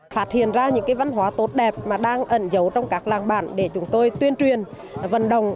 phát hiện ra những văn hóa tốt đẹp mà đang ẩn dấu trong các làng bản để chúng tôi tuyên truyền vận động